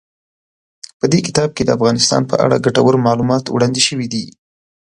په دې کتاب کې د افغانستان په اړه ګټور معلومات وړاندې شوي دي.